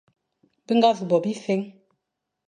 Be ñga nẑu bo bise,